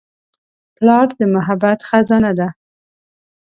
پلار د محبت خزانه ده.